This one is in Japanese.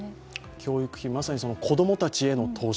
教育費、まさに子供たちへの投資